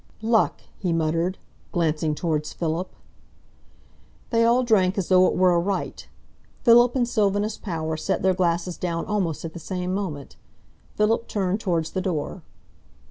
"Luck!" he muttered, glancing towards Philip. They all drank as though it were a rite. Philip and Sylvanus Power set their glasses down almost at the same moment. Philip turned towards the door.